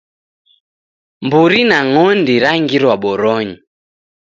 Mburi na ng'ondi rangirwa boronyi